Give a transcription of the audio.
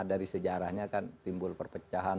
dari sejarahnya kan timbul perpecahan